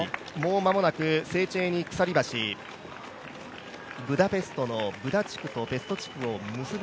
間もなくセーチェーニ鎖橋、ブダペストのブダ地区とペスト地区を結ぶ